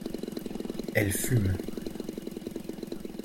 Elle fume.